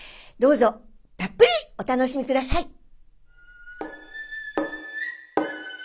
どうぞたっぷりお楽しみ下さい。